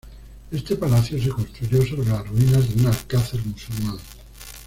Este palacio se construyó sobre las ruinas de un alcázar musulmán.